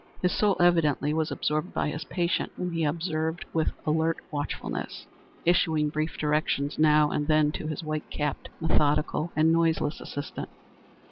His soul evidently was absorbed by his patient, whom he observed with alert watchfulness, issuing brief directions now and then to his white capped, methodical, and noiseless assistant.